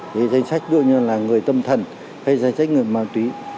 giấy danh sách đôi như là người tâm thần hay danh sách người ma túy